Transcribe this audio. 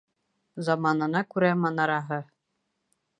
Заманына күрә манараһы.